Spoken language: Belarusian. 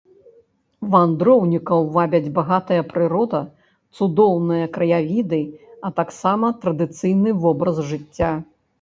Вандроўнікаў вабяць багатая прырода, цудоўныя краявіды, а таксама традыцыйны вобраз жыцця.